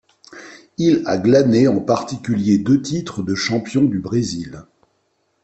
Il a glané en particulier deux titres de champion du Brésil.